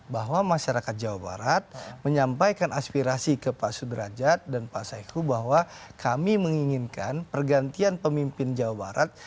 bahwa masyarakat jawa barat menyampaikan aspirasi ke pak sudrajat dan pak saiku bahwa kami menginginkan pergantian pemimpin jawa barat